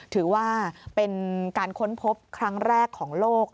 ถือว่าเป็นการค้นพบครั้งแรกของโลก